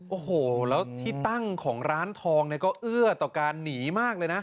โอ้โหแล้วที่ตั้งของร้านทองเนี่ยก็เอื้อต่อการหนีมากเลยนะ